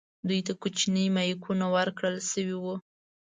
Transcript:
دوی ته کوچني مایکونه ورکړل شوي وو.